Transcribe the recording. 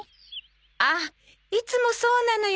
あっいつもそうなのよ。